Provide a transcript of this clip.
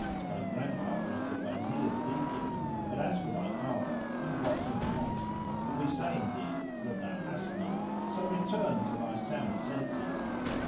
Thy grandfather is the Wazir of Egypt; but as for thy father we wot him not and we say indeed that thou hast none. So return to thy sound senses!"